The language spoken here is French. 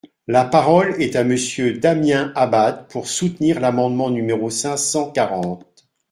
La parole est à Monsieur Damien Abad, pour soutenir l’amendement numéro cinq cent quarante.